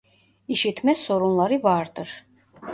İşitme sorunları vardır.